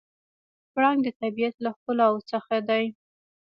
پړانګ د طبیعت له ښکلاوو څخه دی.